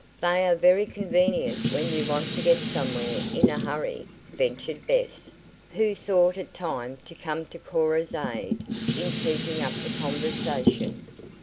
"They are very convenient when you want to get somewhere in a hurry," ventured Bess, who thought it time to come to Cora's aid in keeping up the conversation.